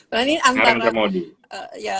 nah ini antara